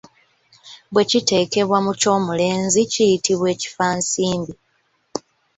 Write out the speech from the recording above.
Bwe kiteekebwa mu ky’omulenzi kiyitibwa Ekifansimbi.